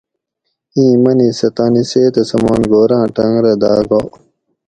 ایں منی سہ تانی سیتہ سمان گوراۤں ٹۤنگ رہ داۤ گا